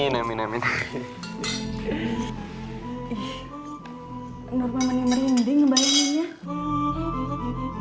nurman ini merinding bayanginnya